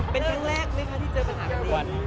เป็นครั้งแรกไหมคะที่เจอปัญหาด่วน